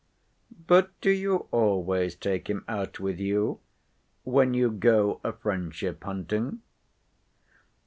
"But do you always take him out with you, when you go a friendship hunting?"